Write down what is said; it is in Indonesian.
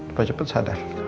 supaya cepat sadar